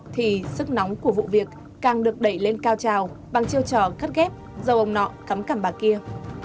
thì sức nóng của vụ việc càng được đẩy lên cao trào bằng chiêu trò cắt ghép dâu ông nọ cắm cằm bà kia